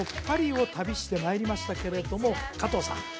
パリを旅してまいりましたけれども加藤さん